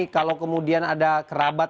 kalau kemudian ada kerabat